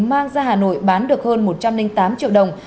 mang ra hà nội bán được hơn một trăm linh tám triệu đồng